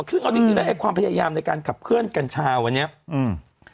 ซึ่งเอาจริงจริงแล้วไอ้ความพยายามในการขับเคลื่อนกัญชาวันนี้อืม